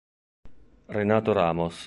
Renato Ramos